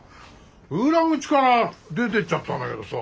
裏口から出てっちゃったんだけどさ。